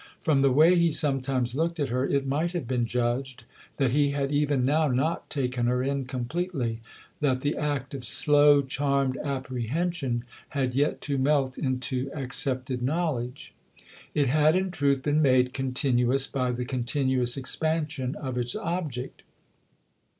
From the way he sometimes looked at her it might have been judged that he had even now not taken her in completely that the act of slow, charmed apprehension had yet to melt into THE OTHER HOUSE 165 accepted knowledge. It had in truth been made continuous by the continuous expansion of its object.